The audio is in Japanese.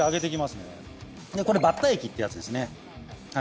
これバッター液ってやつですね